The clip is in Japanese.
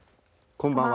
こんばんは。